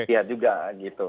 iya juga gitu